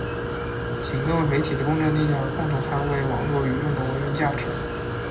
请各位媒体的公正力量，共同捍卫网络舆论的文明价值